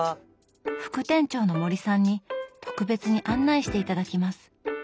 副店長の森さんに特別に案内して頂きます。